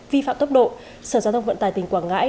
vi phạm tốc độ sở giao thông vận tải tỉnh quảng ngãi